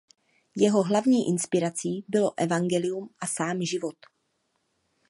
Jeho hlavní inspirací bylo evangelium a sám život.